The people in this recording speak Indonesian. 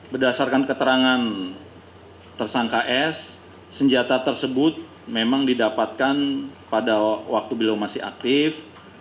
berdasarkan keterangan tersangka s senjata tersebut memang didapatkan pada waktu beliau masih aktif